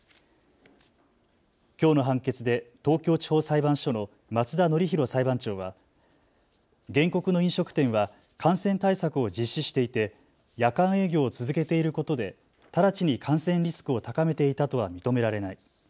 きょうの判決で東京地方裁判所の松田典浩裁判長は原告の飲食店は感染対策を実施していて夜間営業を続けていることで直ちに感染リスクを高めていたとは認められない。